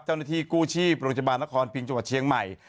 เจ้าหน้าที่กู้ชีพโรงพยาบาลนครพิงจังหวัดเชียงใหม่